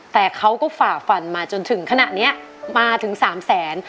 แต่เขาก็ฝ่าฟันมาจนถึงขณะนี้มาถึงสามแสน